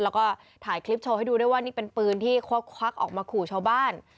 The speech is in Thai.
แล้วก็ถ่ายคลิปโชว์ให้ดูด้วยว่านี่เป็นปืนที่เขาควักออกมาขู่ชาวบ้าน